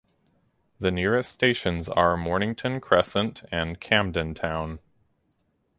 The nearest stations are Mornington Crescent and Camden Town.